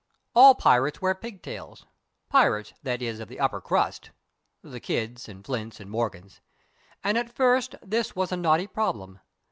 All pirates wear pigtails pirates, that is, of the upper crust (the Kidds and Flints and Morgans) and at first this was a knotty problem.